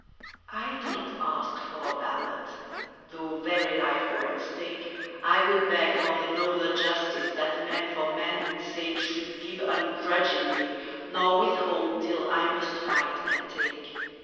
I do not ask for a ballot; Though very life were at stake, I would beg for the nobler justice That men for manhood's sake Should give ungrudgingly, nor withhold till I must fight and take.